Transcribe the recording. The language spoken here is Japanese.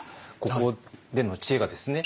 ここでの知恵がですね